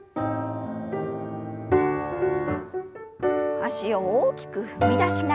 脚を大きく踏み出しながら。